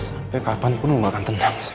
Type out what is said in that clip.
sampai kapan pun kamu tidak akan tenang sa